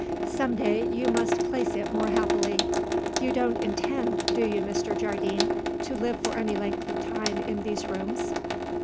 "Some day you must place it more happily. You don't intend, do you, Mr. Jardine, to live for any length of time in these rooms?"